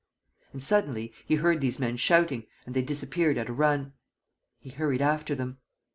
And, suddenly, he heard these men shouting; and they disappeared at a run. He hurried after them.